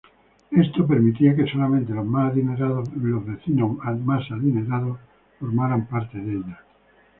Esto permitía que solamente los más adinerados vecinos formaran parte de ella.